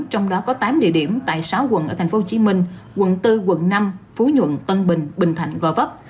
trong đó có tám địa điểm tại sáu quận ở tp hcm quận bốn quận năm phú nhuận tân bình bình thạnh gò vấp